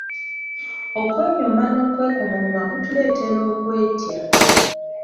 Okwenyooma n'okwekomoma kutuleetera okwetya.